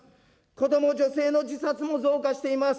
子ども、女性の自殺も増加しています。